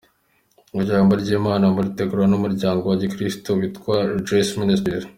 Ijambo ry’Imana muritegurirwa n’umuryango wa Gikristu witwa Rejoice Ministries.